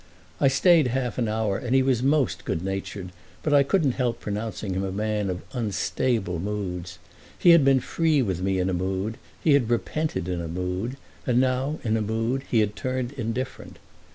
I stayed half an hour, and he was most good natured, but I couldn't help pronouncing him a man of unstable moods. He had been free with me in a mood, he had repented in a mood, and now in a mood he had turned indifferent.